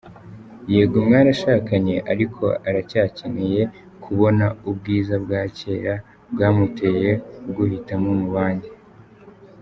Yego mwarashakanye ariko aracyakeneye kubona ubwiza bwa kera bwamuteye kuguhitamo mu bandi.